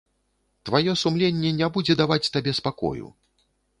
Тваё сумленне не будзе даваць табе спакою.